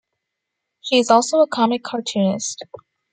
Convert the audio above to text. She is also a comic cartoonist.